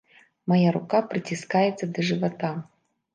Мая рука прыціскаецца да жывата.